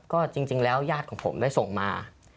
ก็จริงแล้วญาติของผมได้ส่งมา